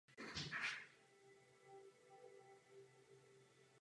Na dolním toku je nepravidelně využívána k vodní dopravě.